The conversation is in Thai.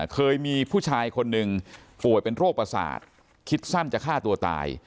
เคยมีผู้ชายคนหนึ่งป่วยเป็นโรคประสาทคิดสั้นจะฆ่าตัวตาย